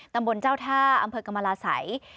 ตำบลเจ้าท่าอำเภอกรรมราศัย